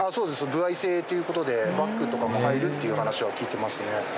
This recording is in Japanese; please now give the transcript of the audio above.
歩合制という事でバックとかも入るっていう話は聞いてますね。